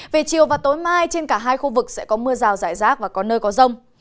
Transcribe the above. về chiều và tối mai trên cả hai khu vực sẽ có mưa rào rải rác và có nơi có rông